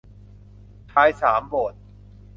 ชายสามโบสถ์